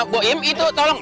bukim itu tolong